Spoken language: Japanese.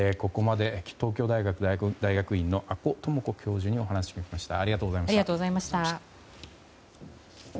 ここまで東京大学大学院の阿古智子教授にお話を伺いました。